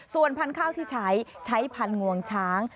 ส่วนพันธุ์ข้าวที่ใช้ใช้พันธวงช้าง